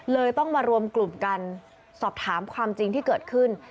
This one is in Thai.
ต้องมารวมกลุ่มกันสอบถามความจริงที่เกิดขึ้น